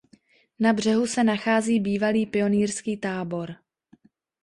Na břehu se nachází bývalý pionýrský tábor.